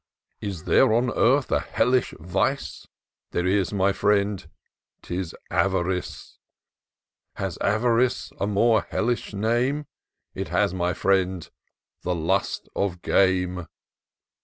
" Is there on earth a hellish vice ? There is, my firiend, — ^*tis avarice: Has avarice a more hellish name ? It has, my friend — the lust of game.